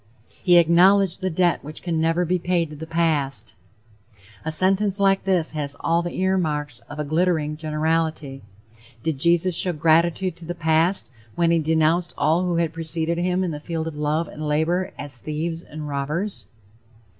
"He acknowledged the debt which can never be paid to the past." A sentence like this has all the ear marks of a glittering generality. Did Jesus show gratitude to the past when he denounced all who had preceded him in the field of love and labor as "thieves and robbers?"